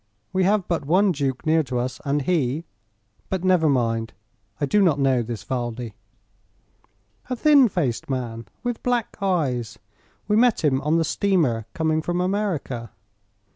We have but one duke near to us, and he . But never mind. I do not know this Valdi." "A thin faced man, with black eyes. We met him on the steamer coming from America."